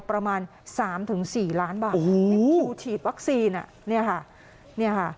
ประมาณสามถึงสี่ล้านบาทคิวฉีดวัคซีนอ่ะเนี่ยค่ะเนี่ยค่ะ